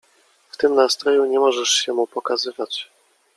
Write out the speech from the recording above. W tym nastroju nie możesz się mu pokazywać.